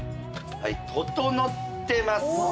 はいととのってます。